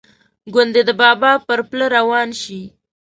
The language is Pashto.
ګوندې د بابا پر پله روان شي.